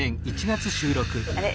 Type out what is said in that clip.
あれ？